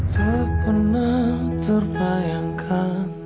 tak pernah terbayangkan